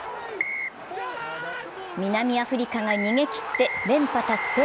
南アフリカが逃げ切って、連覇達成。